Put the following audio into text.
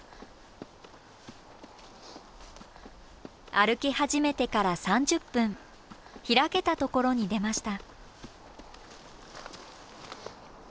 歩き始めてから３０分開けたところに出ました。